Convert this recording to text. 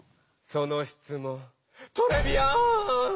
そのしつもんトレビアーン！